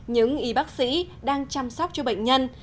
những y bác sĩ đang chăm sóc cho bệnh nhân